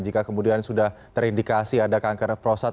jika kemudian sudah terindikasi ada kanker prostat